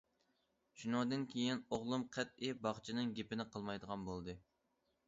شۇنىڭدىن كېيىن ئوغلۇم قەتئىي باغچىنىڭ گېپىنى قىلمايدىغان بولدى.